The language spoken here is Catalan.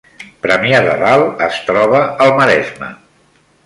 Premia de Dalt es troba al Maresme